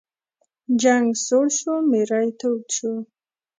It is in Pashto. جنګ سوړ شو، میری تود شو.